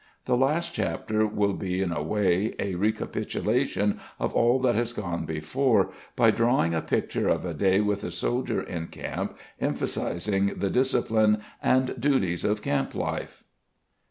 The last chapter will in a way be a recapitulation of all that has gone before by drawing a picture of a day with a soldier in camp emphasizing the discipline and duties of camp life.